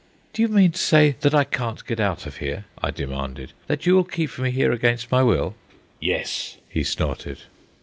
"Do you mean to say that I can't get out of here?" I demanded. "That you will keep me here against my will?" "Yes," he snorted.